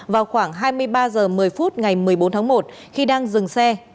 vào khoảng hai mươi ba h một mươi phút ngày một mươi bốn tháng một khi đang dừng xe